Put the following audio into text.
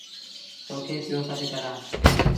تو کي پيو سڏ ڪرآݩ ۔